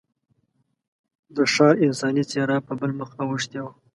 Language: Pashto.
د ښار انساني څېره په بل مخ اوښتې وه.